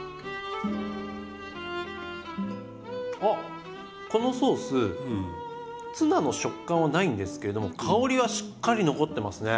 あっこのソースツナの食感はないんですけれども香りはしっかり残ってますね。